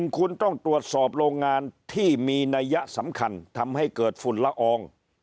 คุณต้องตรวจสอบโรงงานที่มีนัยยะสำคัญทำให้เกิดฝุ่นละออง